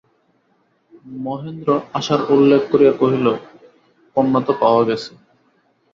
মহেন্দ্র আশার উল্লেখ করিয়া কহিল, কন্যা তো পাওয়া গেছে।